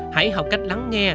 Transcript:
hãy học cách lắng nghe